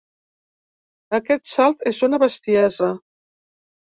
Aquest salt és una bestiesa!